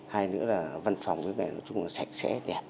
hai nữa là văn phòng nói chung là sạch sẽ đẹp